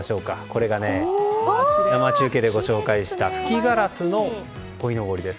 これが生中継でご紹介した吹きガラスのこいのぼりです。